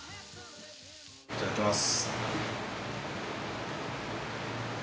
いただきます。